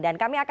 dan kami akan